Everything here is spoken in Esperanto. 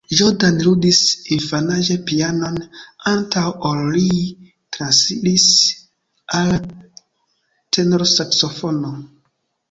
Jordan ludis infanaĝe pianon, antaŭ ol li transiris al tenorsaksofono.